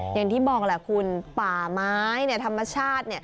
อย่างที่บอกแหละคุณป่าไม้ธรรมชาติ